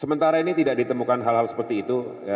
sementara ini tidak ditemukan hal hal seperti itu